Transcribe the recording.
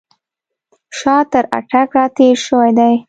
شاه تر اټک را تېر شوی دی.